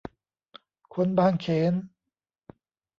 คนบางเขน